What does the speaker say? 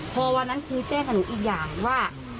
พอวันนั้นคือแจ้งกับหนูอีกอย่างว่า